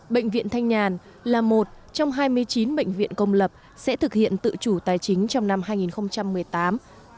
bệnh viện thanh nhàn là một trong hai mươi chín bệnh viện công lập sẽ thực hiện tự chủ tài chính trong năm hai nghìn một mươi tám